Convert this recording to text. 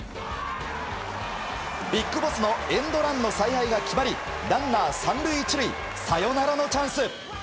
ＢＩＧＢＯＳＳのエンドランの采配が決まりランナー３塁１塁サヨナラのチャンス。